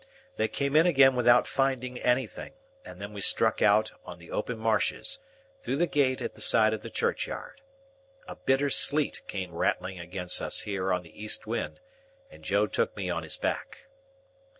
They came in again without finding anything, and then we struck out on the open marshes, through the gate at the side of the churchyard. A bitter sleet came rattling against us here on the east wind, and Joe took me on his back.